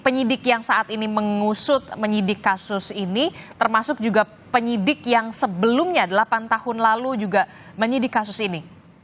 penyidik yang saat ini mengusut menyidik kasus ini termasuk juga penyidik yang sebelumnya delapan tahun lalu juga menyidik kasus ini